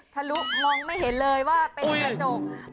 ทะลุมองไม่เห็นเลยว่าเป็นกระจก